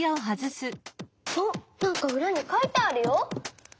あっなんかうらに書いてあるよ。